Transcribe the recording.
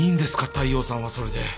大陽さんはそれで。